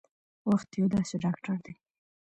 وخت یو داسې ډاکټر دی